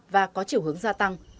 và có chiều hướng gia tăng